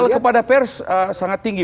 kepada pers sangat tinggi